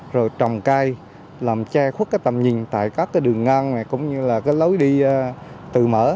rồi trồng cây làm che khuất cái tầm nhìn tại các cái đường ngang cũng như là cái lối đi tự mở